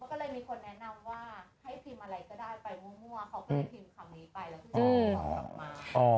เขาก็เลยพิมพ์คำนี้ไปแล้วคุยกับผู้ชายก็ตอบกลับมา